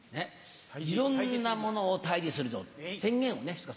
いろんなものを退治するぞと宣言をね。